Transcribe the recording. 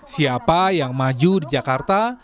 siapa yang maju di jakarta